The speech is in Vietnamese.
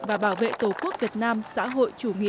và bảo vệ tổ quốc việt nam xã hội chủ nghĩa